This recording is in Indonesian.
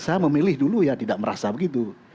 saya memilih dulu ya tidak merasa begitu